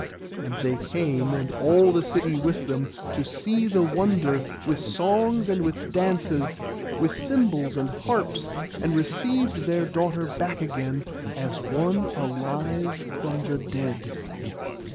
And they came, and all the city with them, to see the wonder, with songs and with dances, with cymbals and harps, and received their daughter back again, as one alive from the dead.